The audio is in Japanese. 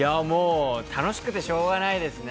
楽しくてしょうがないですね。